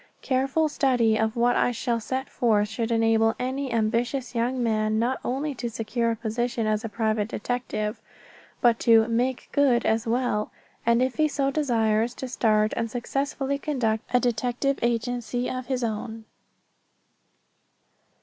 Careful study of what I shall set forth should enable any ambitious young man not only to secure a position as a private detective, but to "make good" as well; and if he so desires, to start and successfully conduct a private detective agency of his own.